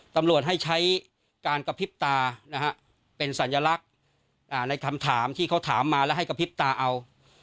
ตำรวจให้ใช้การกระพริบตานะฮะเป็นสัญลักษณ์ในคำถามที่เขาถามมาแล้วให้กระพริบตาเอา